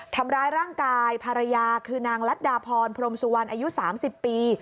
ทำร้ายร่างกายภรรยาคือนางรัฐดาพรพรมสุวรรณอายุ๓๐ปี